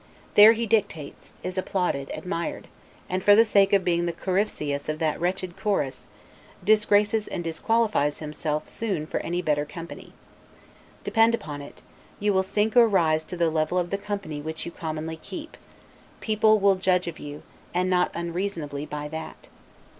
There he dictates, is applauded, admired; and, for the sake of being the Coryphceus of that wretched chorus, disgraces and disqualifies himself soon for any better company. Depend upon it, you will sink or rise to the level of the company which you commonly keep: people will judge of you, and not unreasonably, by that.